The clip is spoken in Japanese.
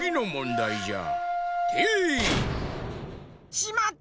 しまった！